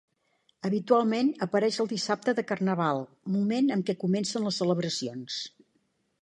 Habitualment apareix el dissabte de carnaval, moment en què comencen les celebracions.